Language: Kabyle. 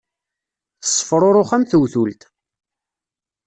Tessefṛuṛux am tewtult.